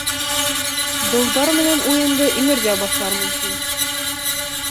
Долдар менән «уйын»ды эңерҙә башлармын, тим.